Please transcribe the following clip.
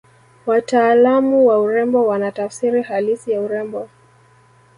wataalamu wa urembo wana tafsiri halisi ya urembo